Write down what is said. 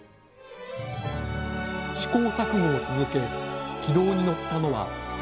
試行錯誤を続け軌道に乗ったのは３年目のこと。